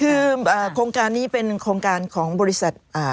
คือโครงการนี้เป็นโครงการของบริษัท